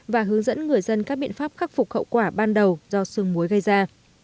và hướng dẫn người dân các biện pháp khắc phục khẩu quả ban đầu do sương muối gây ra